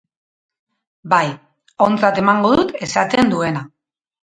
Bai, ontzat emango dut esaten duena.